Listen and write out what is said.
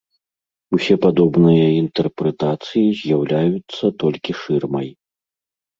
Усе падобныя інтэрпрэтацыі з'яўляюцца толькі шырмай.